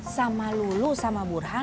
sama lulu sama burhan